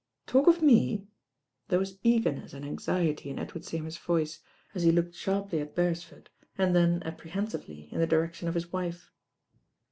"Talk of me." There was eagerness and anxi ety in Edward Seymour's voice, as he looked sharply at Beresford, and then apprehensively in the di rection of his wife.